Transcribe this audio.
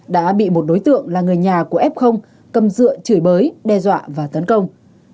đã bị một đối tượng là người nhà của f cầm dựa chửi bới đe dọa và tấn công